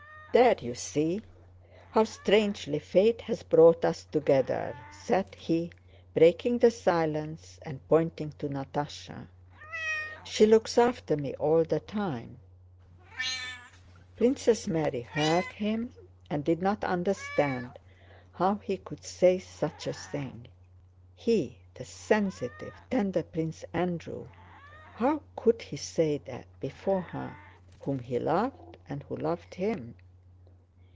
"There, you see how strangely fate has brought us together," said he, breaking the silence and pointing to Natásha. "She looks after me all the time." Princess Mary heard him and did not understand how he could say such a thing. He, the sensitive, tender Prince Andrew, how could he say that, before her whom he loved and who loved him?